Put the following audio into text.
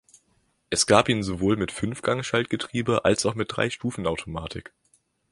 Es gab ihn sowohl mit Fünfgang-Schaltgetriebe als auch mit Dreistufen-Automatik.